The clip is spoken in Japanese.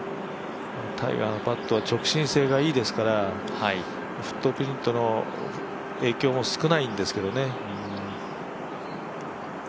タイガーのパットは直進性がいいですからフットプリントの影響も少ないんですね。